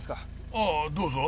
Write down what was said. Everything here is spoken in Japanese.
ああどうぞ。